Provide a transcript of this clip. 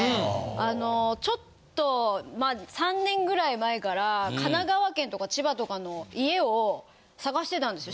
ちょっとまあ３年ぐらい前から神奈川県とか千葉とかの家を探してたんですよ。